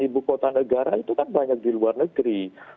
ibu kota negara itu kan banyak di luar negeri